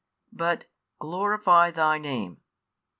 But Glorify Thy Name.